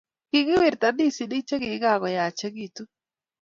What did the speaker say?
Kagiwirta ndisinik chegikoyachigitu